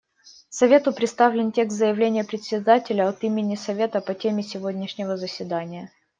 Совету представлен текст заявления Председателя от имени Совета по теме сегодняшнего заседания.